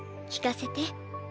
聞かせて？